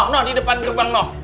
no di depan gerbang no